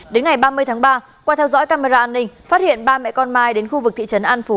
đến ngày ba mươi tháng ba qua theo dõi camera an ninh phát hiện ba mẹ con mai đến khu vực thị trấn an phú